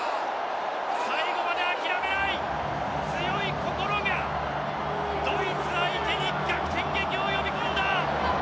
最後まで諦めない強い心がドイツ相手に逆転劇を呼び込んだ！